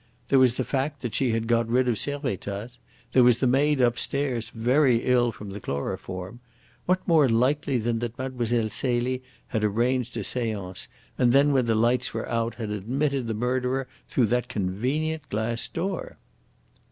There was the fact that she had got rid of Servettaz. There was the maid upstairs very ill from the chloroform. What more likely than that Mlle. Celie had arranged a seance, and then when the lights were out had admitted the murderer through that convenient glass door?"